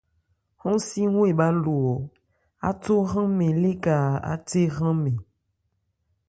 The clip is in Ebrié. Hɔ́n si ɔ́n ebhá lo ɔn, átho hran mɛn léka áthé hran mɛn ?